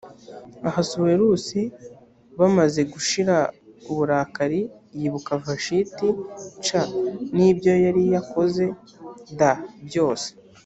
ahasuwerusi b amaze gushira uburakari yibuka vashiti c n ibyo yari yakoze d byose